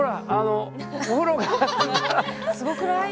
すごくない？